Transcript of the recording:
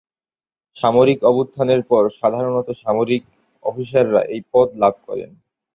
সামরিক অভ্যুত্থানের পর সাধারণত সামরিক অফিসাররা এই পদ লাভ করেন।